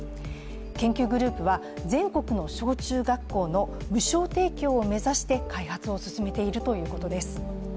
研究グループは全国の小中学校の無償提供を目指して開発を進めているということです。